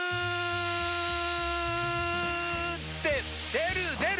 出る出る！